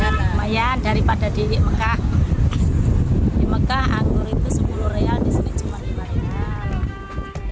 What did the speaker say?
lumayan daripada di mekah di mekah anggur itu sepuluh real di sini cuma lima